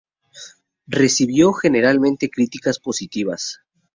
Recibió generalmente críticas positivas.